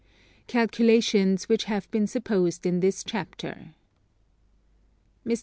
Calculations which have been supposed in this Chapter. Mr.